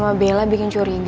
fau hanyaman kodi nang